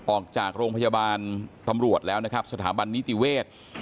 ออกจากโรงพยาบาลตำรวจแล้วนะครับสถาบันนิติเวศ